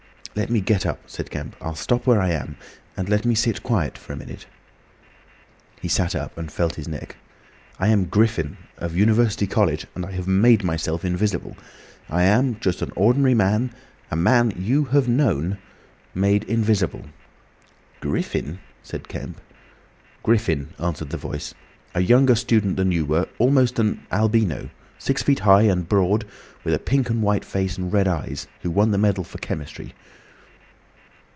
"Let me get up," said Kemp. "I'll stop where I am. And let me sit quiet for a minute." He sat up and felt his neck. "I am Griffin, of University College, and I have made myself invisible. I am just an ordinary man—a man you have known—made invisible." "Griffin?" said Kemp. "Griffin," answered the Voice. A younger student than you were, almost an albino, six feet high, and broad, with a pink and white face and red eyes, who won the medal for chemistry."